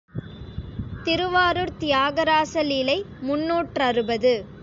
திருவாரூர்த் Thiagaraja Leelai முந்நூற்றறுபது.